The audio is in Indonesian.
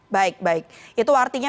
baik baik itu artinya